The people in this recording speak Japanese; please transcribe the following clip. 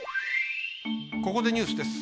ここでニュースです。